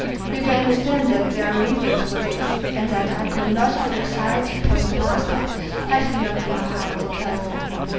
You can understand that there are reasons for this and that I could not have exiled the Postmaster had he not been a harmful person.